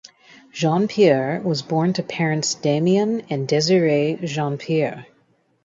Jeanpiere was born to parents Damion and Desiree Jeanpiere.